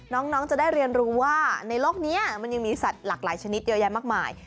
น้องจะได้เรียนรู้ว่าในโลกนี้มันยังมีสัตว์หลากหลายชนิดเยอะแยะมากมาย